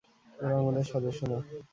ওরা আমাদের সদস্য না।